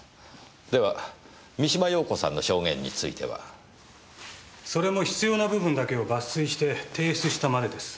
では三島陽子さんの証言については？それも必要な部分だけを抜粋して提出したまでです。